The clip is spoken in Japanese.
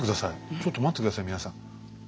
ちょっと待って下さい皆さん。